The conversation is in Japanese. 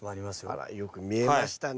あらよく見えましたね。